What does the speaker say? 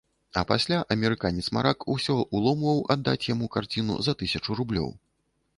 А пасля амерыканец-марак усё ўломваў аддаць яму карціну за тысячу рублёў.